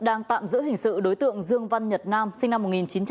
đang tạm giữ hình sự đối tượng dương văn nhật nam sinh năm một nghìn chín trăm tám mươi